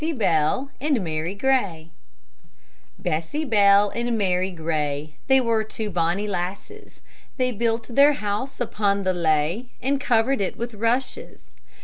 BESSY BELL AND MARY GRAY Bessy Bell and Mary Gray, They were two bonny lasses; They built their house upon the lea, And covered it with rushes.